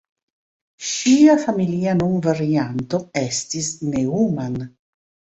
Ŝia familia nomvarianto estis "Neumann".